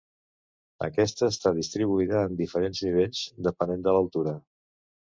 Aquesta està distribuïda en diferents nivells depenent de l'altura.